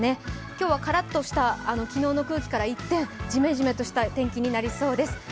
今日はカラッとした昨日の空気から一転、ジメジメとした天気になりそうです。